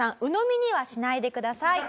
鵜呑みにはしないでください。